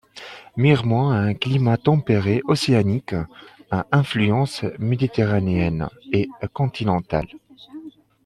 Miremont à un climat tempéré océanique, à influences méditerranéenne et continentale.